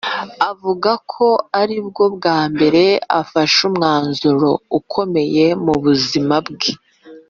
Avuga ko aribwo bwa mbere afashe umwanzuro ukomeye mu buzima bwe